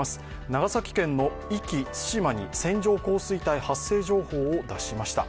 長崎県の壱岐・対馬に線状降水帯発生情報を出しました。